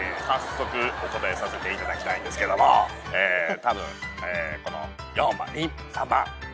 早速お答えさせていただきたいんですけどもたぶんこの４番。